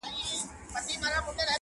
په يوه تاخته يې پى كړله مزلونه٫